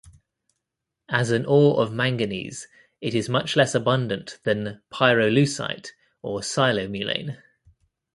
As an ore of manganese it is much less abundant than pyrolusite or psilomelane.